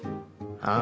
あん。